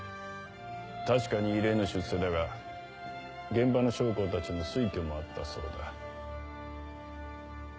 確かに異例の出世だが現場の将校たちの推挙もあったそうだ。